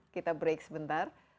kita break sebentar